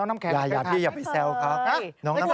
ไม่เคยอย่าไปแซวครับ